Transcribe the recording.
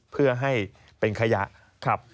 เพื่อให้เป็นขยะ